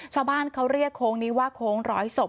ชาวบ้านเขาเรียกโค้งนี้ว่าโค้งร้อยศพ